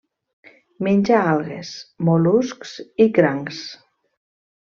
Menja algues, mol·luscs i crancs.